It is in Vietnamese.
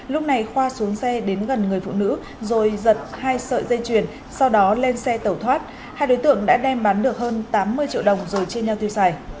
lúc này khoa xuống xe đến gần người phụ nữ rồi giật hai sợi dây chuyền sau đó lên xe tẩu thoát hai đối tượng đã đem bán được hơn tám mươi triệu đồng rồi chia nhau tiêu xài